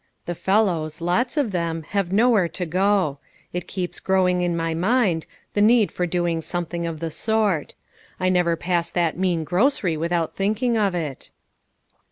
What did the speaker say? The fellows, lots of them, have nowhere to go ; it keeps growing in my mind, the need for doing something of the sort. I never pass that mean grocery without thinking of it."